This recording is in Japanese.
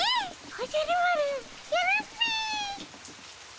おじゃる丸やるっピ。